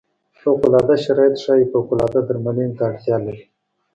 فوق العاده شرایط ښايي فوق العاده درملنې ته اړتیا لري.